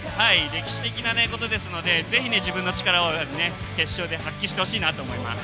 歴史的なことですのでぜひ、自分の力を決勝で発揮してほしいなと思います。